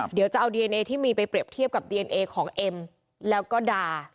เดี๋ยวจะเอาดีเอนเอที่มีไปเปรียบเทียบกับดีเอนเอของเอ็มแล้วก็ดา